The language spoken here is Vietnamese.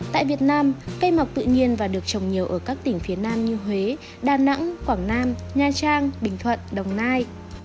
tại việt nam cây mọc tự nhiên và được trồng nhiều ở các tỉnh phía nam như huế đà nẵng quảng nam nha trang bình thuận đồng nai